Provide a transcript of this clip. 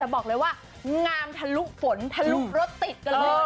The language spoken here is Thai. แต่บอกเลยว่างามทะลุฝนทะลุรถติดกันเลย